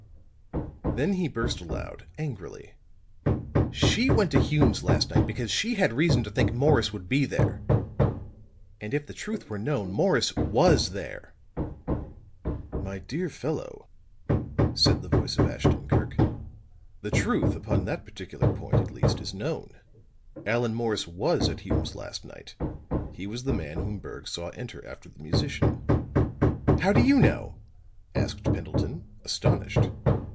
Then he burst out aloud, angrily. "She went to Hume's last night because she had reason to think Morris would be there. And if the truth were known, Morris was there." "My dear fellow," said the voice of Ashton Kirk, "the truth, upon that particular point, at least, is known. Allan Morris was at Hume's last night. He was the man whom Berg saw enter after the musician." "How do you know?" asked Pendleton, astonished.